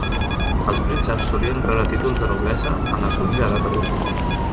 Els prínceps solien rebre títols de noblesa en assolir l'edat adulta.